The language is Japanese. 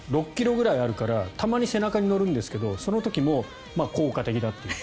６ｋｇぐらいあるからたまに背中に乗るんですけどその時も効果的だっていう。